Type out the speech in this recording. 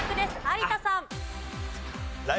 有田さん。